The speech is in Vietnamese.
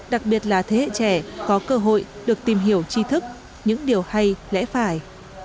đặc biệt là thế hệ trẻ có cơ hội được tìm hiểu chi thức những điều hay lẽ phải